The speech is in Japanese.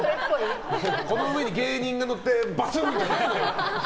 この上に芸人が乗ってバスン！じゃないのよ。